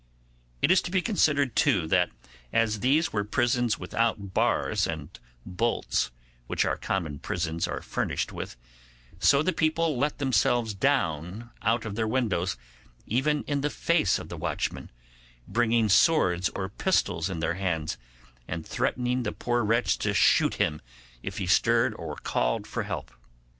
It is to be considered, too, that as these were prisons without bars and bolts, which our common prisons are furnished with, so the people let themselves down out of their windows, even in the face of the watchman, bringing swords or pistols in their hands, and threatening the poor wretch to shoot him if he stirred or called for help.